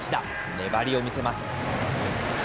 粘りを見せます。